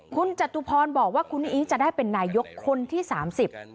คุณจตุพรบอกว่าคุณอีจะได้เป็นนายกคนที่สามสิบ